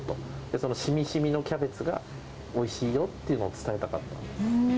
そのしみしみのキャベツがおいしいよっていうのを伝えたかった。